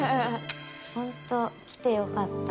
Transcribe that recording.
本当に来てよかった。